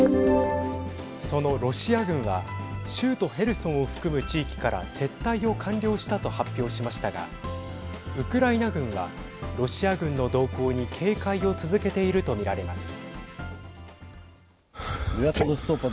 そのロシア軍は州都ヘルソンを含む地域から撤退を完了したと発表しましたがウクライナ軍はロシア軍の動向に警戒を続けていると見られます。